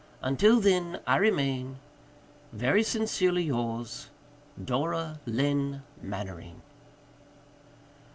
Until then I remain, "Very sincerely yours, "Dora Lynne Mannering."